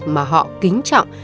mà họ kính chọn